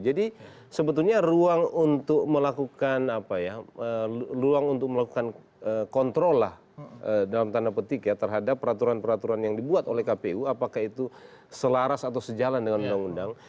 jadi sebetulnya ruang untuk melakukan apa ya ruang untuk melakukan kontrol lah dalam tanda petik ya terhadap peraturan peraturan yang dibuat oleh kpu apakah itu selaras atau sejalan dengan undang undang